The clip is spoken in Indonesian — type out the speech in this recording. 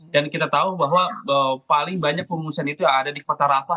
dan kita tahu bahwa paling banyak pengungsian itu ada di kota ra at